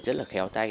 rất là khéo tay